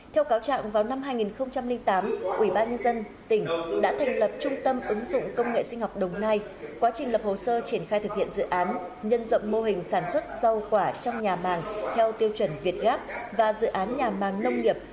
theo cáo trạng vào năm hai nghìn tám ubnd tỉnh đã thành lập trung tâm ứng dụng công nghệ sinh học đồng nai quá trình lập hồ sơ triển khai thực hiện dự án nhân rộng mô hình sản xuất rau quả trong nhà màng theo tiêu chuẩn việt gáp và dự án nhà màng nông nghiệp